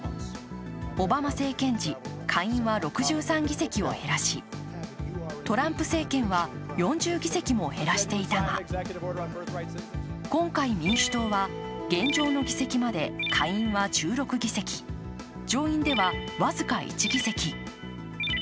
オバマ政権時、下院は６３議席を減らしトランプ政権は４０議席も減らしていたが今回民主党は、現状の議席まで下院は１６議席、上院では僅か１議席。